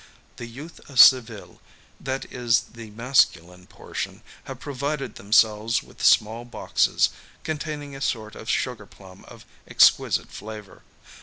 The youth of Seville, that is the masculine portion, have provided themselves with small boxes, containing a sort of sugar plum of exquisite flavour.